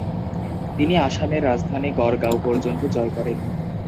তিনি আসামের রাজধানী গড়গাঁও পর্যন্ত জয় করেন।